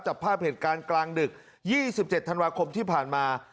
จับภาพเหตุการณ์กลางดึกยี่สิบเจ็ดธันวาคมที่ผ่านมา